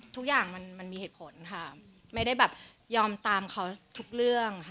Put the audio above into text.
ทุกอย่างมันมีเหตุผลค่ะไม่ได้แบบยอมตามเขาทุกเรื่องค่ะ